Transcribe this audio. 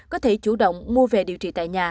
có thể chủ động mua về điều trị tại nhà